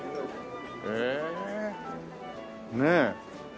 へえねえ。